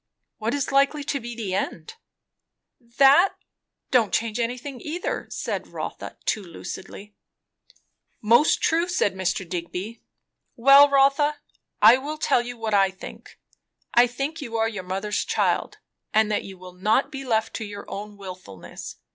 "What is likely to be the end?" "That don't change anything, either," said Rotha, not too lucidly. "Most true!" said Mr. Digby. "Well, Rotha, I will tell you what I think. I think you are your mother's child, and that you will not be left to your own wilfulness.